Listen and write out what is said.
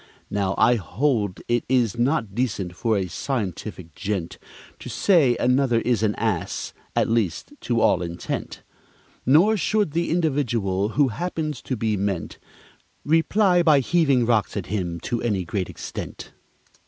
Now, I hold it is not decent for a scientific gent To say another is an ass at least, to all intent; Nor should the individual who happens to be meant Reply by heaving rocks at him to any great extent.